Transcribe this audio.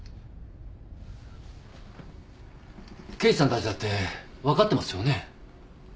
刑事さんたちだって分かってますよね？